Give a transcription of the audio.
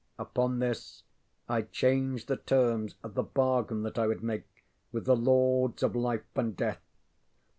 Upon this I changed the terms of the bargain that I would make with the Lords of Life and Death.